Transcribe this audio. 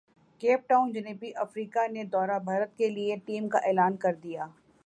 cap Town جنوبی افریقہ نے دورہ بھارت کیلئے ٹیم کا اعلان کردیا